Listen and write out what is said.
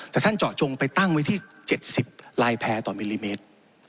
แต่ท่านเจาะจงไปตั้งไว้ที่๗๐ลายแพร่ต่อมิลลิเมตร